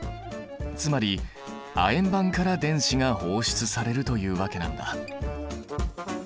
つまり亜鉛板から電子が放出されるというわけなんだ。